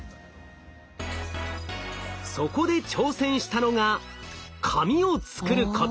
そこで挑戦したのが紙を作ること。